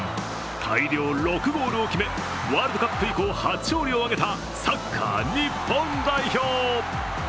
大量６ゴールを決め、ワールドカップ以降初勝利を挙げたサッカー日本代表。